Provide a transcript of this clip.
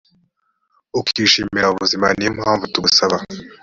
ukishimira ubuzima ni yo mpamvu tugusaba